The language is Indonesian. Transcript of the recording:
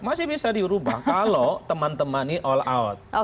masih bisa dirubah kalau teman teman ini all out